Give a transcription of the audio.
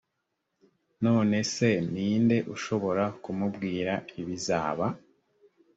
none se ni nde ushobora kumubwira ibizaba